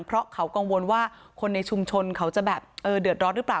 เพราะเขากังวลว่าคนในชุมชนเขาจะแบบเดือดร้อนหรือเปล่า